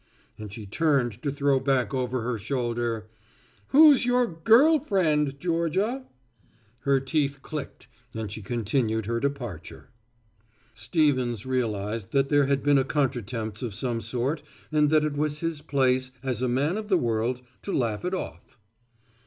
and she turned to throw back over her shoulder, "Who's your girl friend, Georgia?" Her teeth clicked and she continued her departure. Stevens realized that there had been a contretemps of some sort and that it was his place, as a man of the world, to laugh it off.